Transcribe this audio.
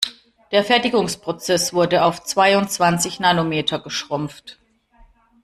Der Fertigungsprozess wurde auf zweiundzwanzig Nanometer geschrumpft.